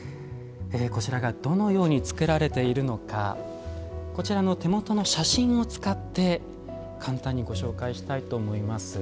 こちらがどのようにつくられているのかこちらの手元の写真を使って簡単にご紹介したいと思います。